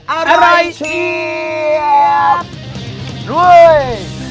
อะไรเชียพด้วย